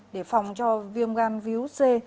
để phòng cho viêm gan virus c